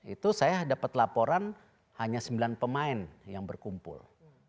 itu saya dapat laporan hanya sembilan pemain yang berkumpul